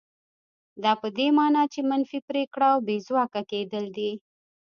دا په دې مانا چې منفي پرېکړه او بې ځواکه کېدل دي.